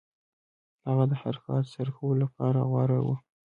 هغه د هر کار ترسره کولو لپاره غوره دی.